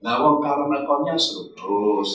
nah orang orang kalau mereka punya seru terus